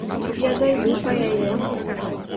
Я зайду па яе.